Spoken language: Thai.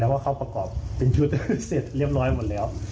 ว่าเขาประกอบเป็นชุดเสร็จเรียบร้อยหมดแล้ว